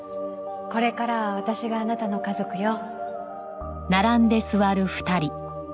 これからは私があなたの家族よ。